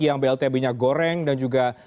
yang blt minyak goreng dan juga